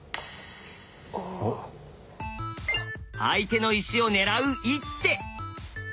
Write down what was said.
相手の石を狙う一手。